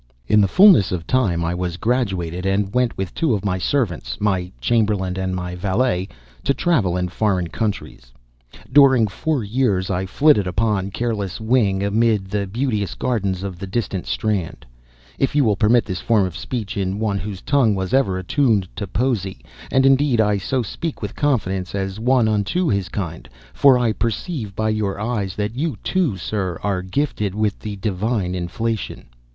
In the fullness of time I was graduated, and went with two of my servants my chamberlain and my valet to travel in foreign countries. During four years I flitted upon careless wing amid the beauteous gardens of the distant strand, if you will permit this form of speech in one whose tongue was ever attuned to poesy; and indeed I so speak with confidence, as one unto his kind, for I perceive by your eyes that you too, sir, are gifted with the divine inflation.